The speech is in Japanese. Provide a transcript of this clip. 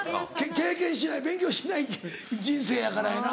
経験しない勉強しない人生やからやな。